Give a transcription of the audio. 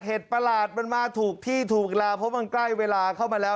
ประหลาดมันมาถูกที่ถูกเวลาเพราะมันใกล้เวลาเข้ามาแล้ว